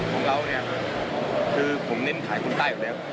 ของเราคือผมนิ่มขายคนใต้อยู่แล้ว